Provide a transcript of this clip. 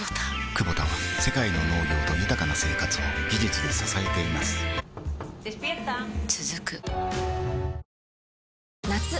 クボタは世界の農業と豊かな生活を技術で支えています起きて。